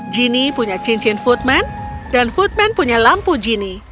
genie punya cincin footman dan footman punya lampu genie